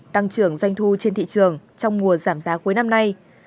tăng trưởng doanh thu trên thị trường trong mùa giảm giá cuối năm nay